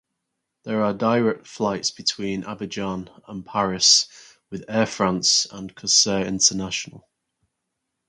There are direct fights between Abidjan and Paris with Air France and Corsair International.